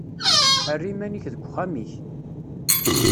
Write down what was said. Err iman-ik deg uxxam-ik.